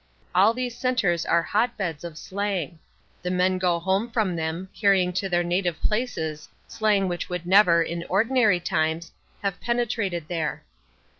All these centres are hotbeds of slang: the men go home from them, carrying to their native places slang which would never, in ordinary times, have penetrated there.